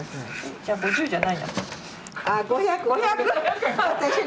じゃあ５０じゃないじゃん。